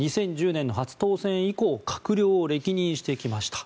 ２０１０年の初当選以降閣僚を歴任してきました。